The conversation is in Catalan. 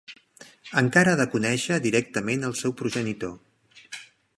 Encara ha de conèixer directament el seu progenitor.